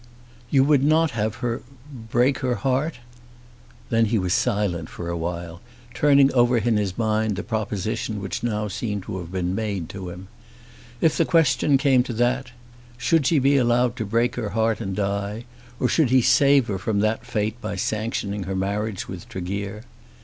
"You would not have her break her heart?" Then he was silent for awhile, turning over in his mind the proposition which now seemed to have been made to him. If the question came to that, should she be allowed to break her heart and die, or should he save her from that fate by sanctioning her marriage with Tregear?